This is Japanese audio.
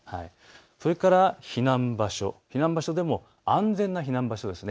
それから避難場所、避難場所でも安全な避難場所です。